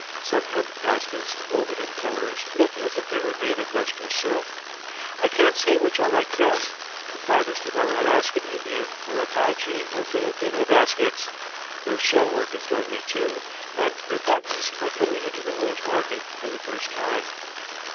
Some hemp baskets, woven in colours, look as if they were made of lustrous silk. I can't say which I like best, the finest of our Alaskan Indian, or Apache, or Filipino baskets. Their shell work is lovely, too, and their buttons are coming into the world's market for the first time.